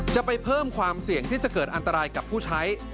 จะไปเพิ่มความเสี่ยงที่จะเกิดอันตรายกับผู้ใช้